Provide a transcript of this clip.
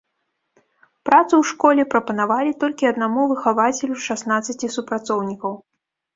Працу ў школе прапанавалі толькі аднаму выхавацелю з шаснаццаці супрацоўнікаў.